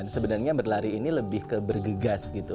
sebenarnya berlari ini lebih ke bergegas gitu